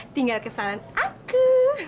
tinggal kesalahan aku